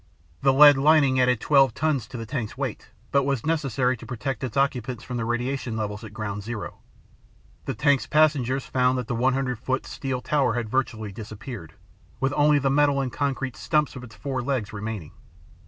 The lead lining added 12 tons to the tank's weight, but was necessary to protect its occupants from the radiation levels at ground zero. The tank's passengers found that the 100 foot steel tower had virtually disappeared, with only the metal and concrete stumps of its four legs remaining.